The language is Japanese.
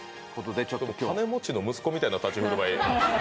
金持ちの息子みたいな立ち振る舞い。